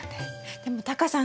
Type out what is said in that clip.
でもタカさん